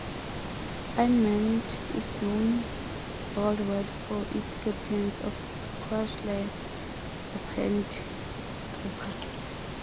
IronMind is known worldwide for its Captains of Crush line of hand grippers.